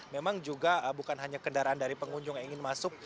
memang juga bukan hanya kendaraan dari pengunjung yang ingin masuk